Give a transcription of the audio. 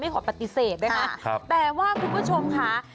ไม่ขอปฏิเสธนะคะครับแต่ว่าคุณผู้ชมค่ะ